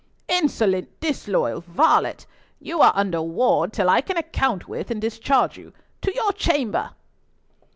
"Insolent, disloyal varlet! You are under ward till I can account with and discharge you. To your chamber!"